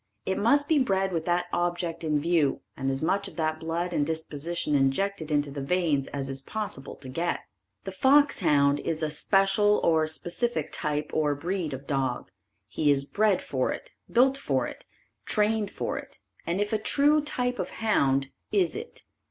It must be bred with that object in view and as much of that blood and disposition injected into the veins as is possible to get. The fox hound is a special or specific type or breed of dog. He is bred for it, built for it, trained for it and if a true type of hound, is it.